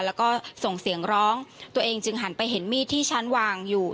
แล้วก็ส่งเสียงร้องตัวเองจึงหันไปเห็นมีดที่ฉันวางอยู่